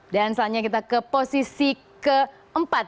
dan selanjutnya kita ke posisi keempat